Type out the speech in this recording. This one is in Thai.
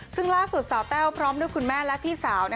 ซึ่งล่าสุดสาวแต้วพร้อมด้วยคุณแม่และพี่สาว